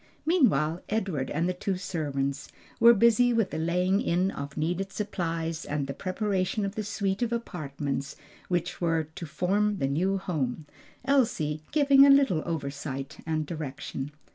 Meanwhile Edward and the two servants were busy with the laying in of needed supplies and the preparation of the suite of apartments which were to form the new home Elsie giving a little oversight and direction.